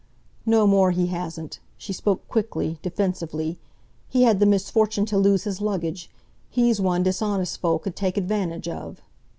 "No more he hasn't;" she spoke quickly, defensively. "He had the misfortune to lose his luggage. He's one dishonest folk 'ud take advantage of."